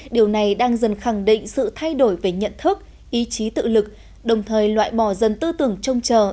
điều này đang dần khẳng định sự thay đổi về nhận thức ý chí tự lực đồng thời loại bỏ dần tư tưởng trông chờ